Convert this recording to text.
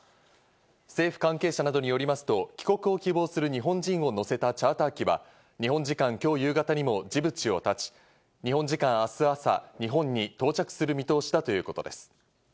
政府関係者などによりますと、帰国を希望する日本人を乗せたチャーター機は日本時間・今日夕方にもジブチを発ち、日本時間明日朝に日本に到着する見通しだということです。